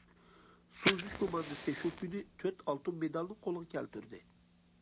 سۇ ئۈزۈش كوماندىسى شۇ كۈنى تۆت ئالتۇن مېدالنى قولغا كەلتۈردى.